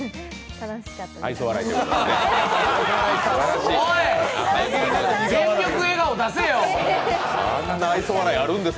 楽しかったです。